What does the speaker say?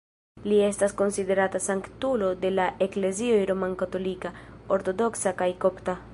Li estas konsiderata sanktulo de la Eklezioj Romkatolika, Ortodoksa kaj Kopta.